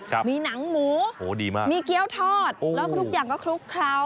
มีหนังหมูโอ้โหดีมากมีเกี้ยวทอดแล้วทุกอย่างก็คลุกเคล้า